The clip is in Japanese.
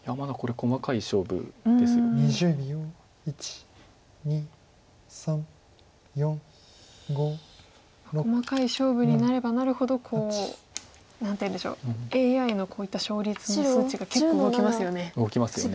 細かい勝負になればなるほど何ていうんでしょうＡＩのこういった勝率の数値が結構動きますよね。